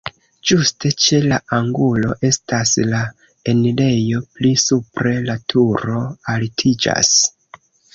Ĝuste ĉe la angulo estas la enirejo, pli supre la turo altiĝas.